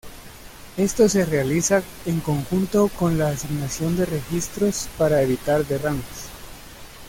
Esto se realiza en conjunto con la asignación de registros para evitar derrames.